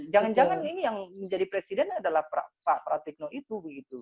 jangan jangan ini yang menjadi presiden adalah pak pratikno itu begitu